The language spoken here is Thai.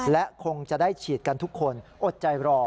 และคงจะได้ฉีดกันทุกคนอดใจรอ